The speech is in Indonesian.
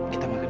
kita makan yuk